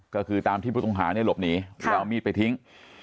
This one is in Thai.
ก็คือตามที่ผู้ต้องหาเนี่ยหลบหนีแล้วเอามีดไปทิ้ง